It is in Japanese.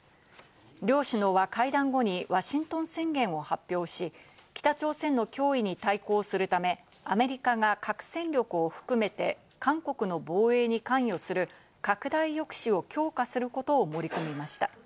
両首脳が会談後にワシントン宣言を発表し、北朝鮮の脅威に対抗するため、アメリカが核戦力を含めて韓国の防衛に関与する拡大抑止を強化することを盛り込みました。